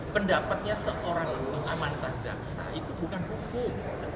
pendapatnya seorang yang pengamatan jaksa itu bukan hukum